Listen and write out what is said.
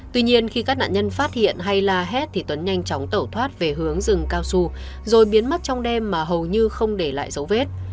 tuy nhiên khi các nạn nhân phát hiện hay la hét thì tuấn nhanh chóng tẩu thoát về hướng rừng cao su rồi biến mất trong đêm mà hầu như không để lại dấu vết